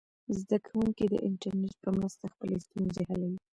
زده کوونکي د انټرنیټ په مرسته خپلې ستونزې حلوي.